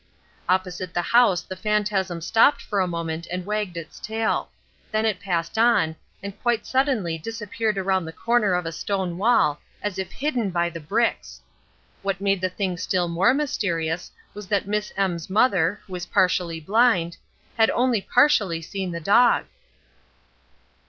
Opposite the house the phantasm stopped for a moment and wagged its tail. Then it passed on, and quite suddenly disappeared around the corner of a stone wall, as if hidden by the bricks. What made the thing still more mysterious was that Miss M's mother, who is partially blind, had only partially seen the dog."